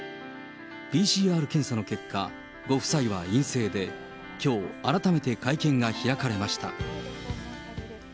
ＰＣＲ検査の結果、ご夫妻は陰性で、きょう、改めて会見が開かれました。